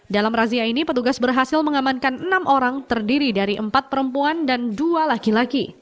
dalam razia ini petugas berhasil mengamankan enam orang terdiri dari empat perempuan dan dua laki laki